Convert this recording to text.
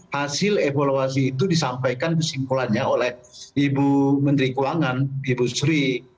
hasil evaluasi itu disampaikan kesimpulannya oleh ibu menteri keuangan ibu sri